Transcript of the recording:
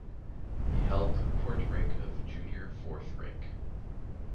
He held the court rank of Junior Fourth Rank.